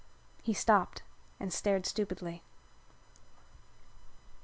He stopped and stared stupidly.